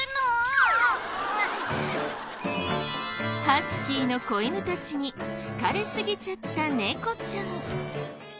ハスキーの子犬たちに好かれすぎちゃったネコちゃん。